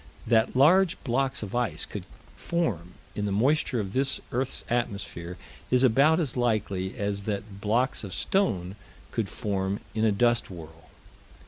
That large blocks of ice could form in the moisture of this earth's atmosphere is about as likely as that blocks of stone could form in a dust whirl.